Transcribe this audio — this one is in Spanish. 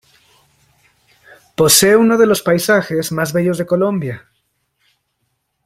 Posee uno de los paisajes más bellos de Colombia.